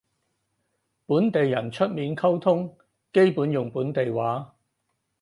本地人出面溝通基本用地方話